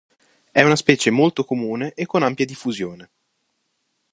È una specie molto comune e con ampia diffusione.